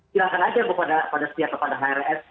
silahkan aja kepada hrs